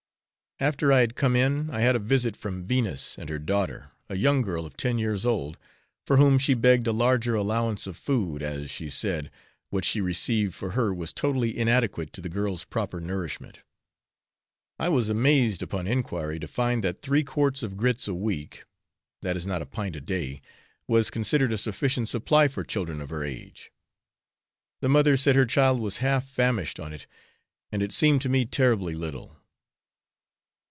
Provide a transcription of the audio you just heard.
After I had come in I had a visit from Venus and her daughter, a young girl of ten years old, for whom she begged a larger allowance of food as, she said, what she received for her was totally inadequate to the girl's proper nourishment. I was amazed, upon enquiry, to find that three quarts of grits a week that is not a pint a day was considered a sufficient supply for children of her age. The mother said her child was half famished on it, and it seemed to me terribly little.